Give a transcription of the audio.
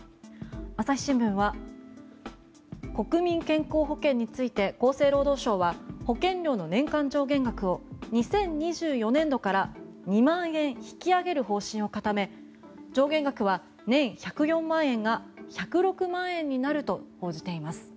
朝日新聞は国民健康保険について厚生労働省は保険料の年間上限額を２０２４年度から２万円引き上げる方針を固め上限額は年１０４万円が１０６万円になると報じています。